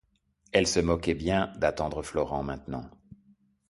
Elle se moquait bien d’attendre Florent, maintenant.